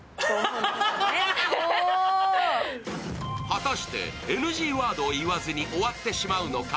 果たしてＮＧワードを言わずに終わってしまうのか。